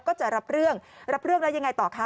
ก็จะรับเรื่องรับเรื่องแล้วยังไงต่อคะ